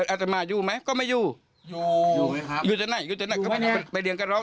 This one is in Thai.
ตอนนั้นหลวงพ่อเขาทำอะไรอยู่ครับที่เราเห็น